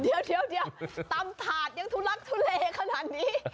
เดี๋ยวตำถาดยังทุลักทุเลขนาดนี้